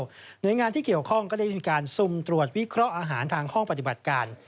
หน่วยงานที่เกี่ยวข้องก็ได้มีการสุ่มตรวจวิเคราะห์อาหารทางห้องปฏิบัติการ